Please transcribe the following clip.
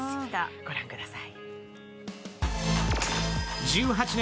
御覧ください。